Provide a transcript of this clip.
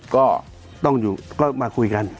ก็ต้องอยู่ก็มาคุยกัน